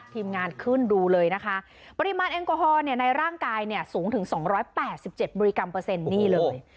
ทีมงานขึ้นดูเลยนะคะปริมาณแอลกอฮอลในร่างกายเนี่ยสูงถึง๒๘๗มิลลิกรัมเปอร์เซ็นต์นี่เลย